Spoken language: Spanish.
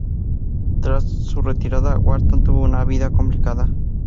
Tras su retirada, Wharton tuvo una vida complicada.